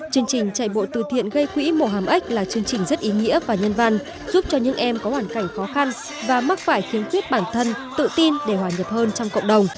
chương trình chạy bộ từ thiện gây quỹ mùa hàm ếch là chương trình rất ý nghĩa và nhân văn giúp cho những em có hoàn cảnh khó khăn và mắc phải khiếm khuyết bản thân tự tin để hòa nhập hơn trong cộng đồng